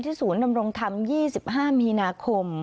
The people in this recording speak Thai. ศูนย์ดำรงธรรม๒๕มีนาคม